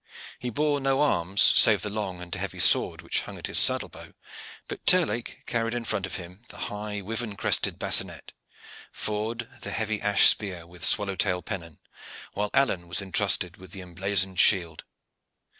He bore no arms save the long and heavy sword which hung at his saddle bow; but Terlake carried in front of him the high wivern crested bassinet, Ford the heavy ash spear with swallow tail pennon, while Alleyne was entrusted with the emblazoned shield.